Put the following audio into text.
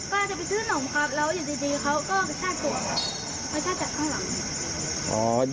ป้าจะไปซื้อหนุ่มครับแล้วอยู่ดีเขาก็ไปช่าจากข้างหลัง